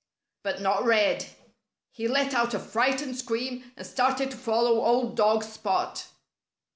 But not Red! He let out a frightened scream and started to follow old dog Spot.